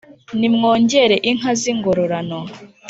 nimwongere inka z’ingororano